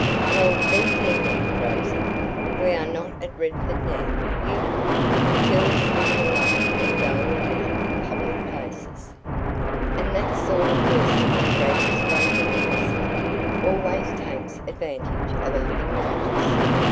"Well, be careful, Rosie. We are not at Redford now, you know. Girls living alone and going about in public places " "And that sort of person," Frances broke in crossly, "always takes advantage of a little notice.